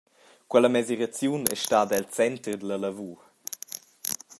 Quella mesiraziun ei stada el center dalla lavur.